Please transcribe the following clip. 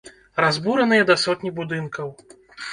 Разбураныя да сотні будынкаў.